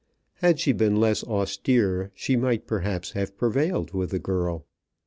Had she been less austere she might, perhaps, have prevailed with the girl.